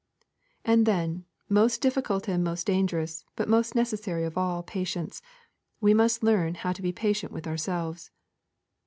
And then, most difficult and most dangerous, but most necessary of all patience, we must learn how to be patient with ourselves.